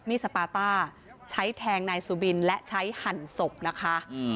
สปาต้าใช้แทงนายสุบินและใช้หั่นศพนะคะ